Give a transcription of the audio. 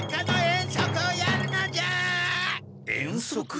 遠足？